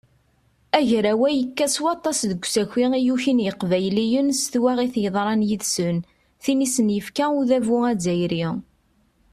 Agraw-a yekka s waṭas deg usaki i yukin yiqbayliyen s twaɣit yeḍran yid-sen, tin i sen-yefka udabu azzayri.